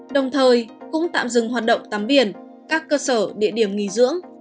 đồng thời cũng tạm dừng hoạt động tắm biển các cơ sở địa điểm nghỉ dưỡng